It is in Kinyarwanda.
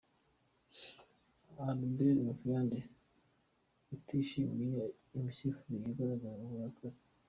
Albert Mphande utishimiye imisifurire yagaragazaga uburakari